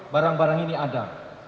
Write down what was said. barang barang ini ada